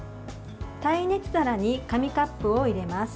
耐熱皿に紙カップを入れます。